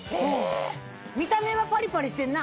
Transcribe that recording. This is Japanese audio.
見た目はパリパリしてんな！